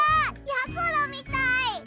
やころみたい。